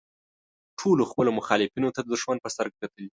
ټولو خپلو مخالفینو ته د دوښمن په سترګه کتلي.